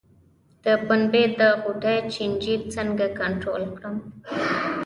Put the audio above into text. د پنبې د غوټې چینجی څنګه کنټرول کړم؟